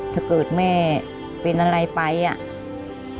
ถ้าเกิดแม่เป็นอะไรไปอ่ะ